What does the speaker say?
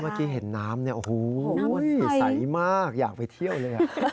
เมื่อกี้เห็นน้ำเนี่ยโอ้โหสีใสมากอยากไปเที่ยวเลย